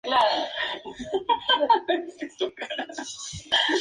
Se cultiva como planta de interior en las regiones más frescas.